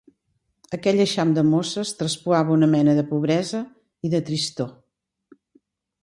Aquell eixam de mosses traspuava una mena de pobresa i de tristor.